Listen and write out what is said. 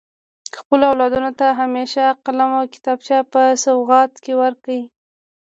خپلو اولادونو ته همیشه قلم او کتابچه په سوغات کي ورکړئ.